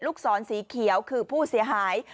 ศรสีเขียวคือผู้เสียหาย